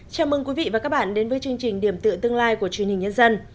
chào mừng quý vị và các bạn đến với chương trình điểm tựa tương lai của truyền hình nhân dân